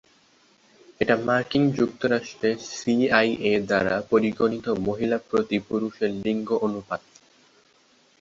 এটা মার্কিন যুক্তরাষ্ট্রের সি আই এ দ্বারা পরিগণিত মহিলা প্রতি পুরুষের লিঙ্গ অনুপাত।